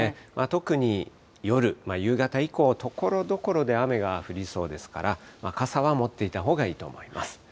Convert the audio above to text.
特に夜、夕方以降、ところどころで雨が降りそうですから、傘は持っていたほうがいいと思います。